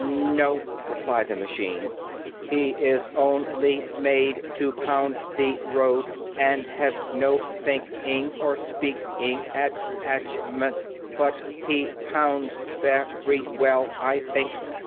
"No," replied the machine; "he is on ly made to pound the road, and has no think ing or speak ing at tach ment. But he pounds ve ry well, I think."